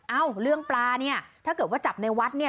เอ้าเรื่องปลาเนี่ยถ้าเกิดว่าจับในวัดเนี่ย